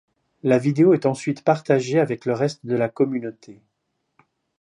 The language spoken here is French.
La vidéo est ensuite partagée avec le reste de la communauté.